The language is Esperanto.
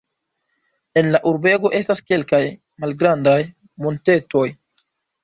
En la urbego estas kelkaj malgrandaj montetoj.